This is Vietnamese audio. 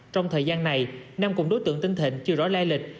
trong thời gian này năm cùng đối tượng tinh thịnh chưa rõ lai lịch